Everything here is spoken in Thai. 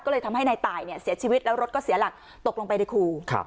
ก็เลยทำให้นายตายเนี่ยเสียชีวิตแล้วรถก็เสียหลักตกลงไปในครู